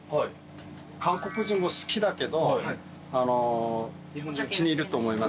韓国人も好きだけど気に入ると思いますよ。